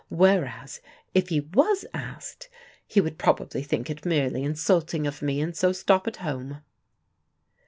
Whereas if he was asked, he would probably think it merely insulting of me, and so stop at home."